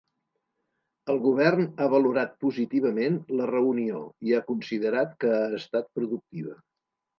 El govern ha valorat positivament la reunió i ha considerat que ha estat “productiva”.